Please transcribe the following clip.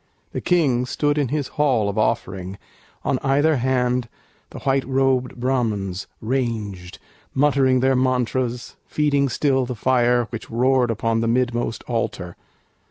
The King stood in his hall of offering; On either hand the white robed Brahmans ranged Muttered their mantras, feeding still the fire Which roared upon the midmost altar.